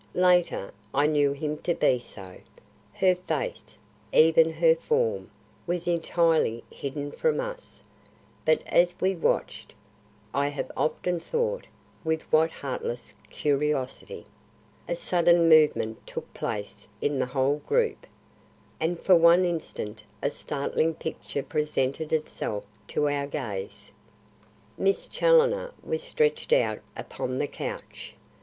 Later, I knew him to be so. Her face, even her form, was entirely hidden from us, but as we watched (I have often thought with what heartless curiosity) a sudden movement took place in the whole group and for one instant a startling picture presented itself to our gaze. Miss Challoner was stretched out upon the couch.